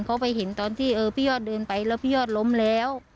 เขาไปเห็นตอนที่พี่ยอดเดินไปแล้วพี่ยอดล้มแล้ว